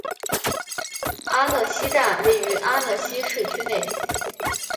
阿讷西站位于阿讷西市区内。